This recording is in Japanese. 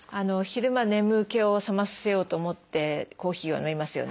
昼間眠気を覚まそうと思ってコーヒーを飲みますよね。